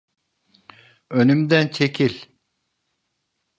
Önümden çekil!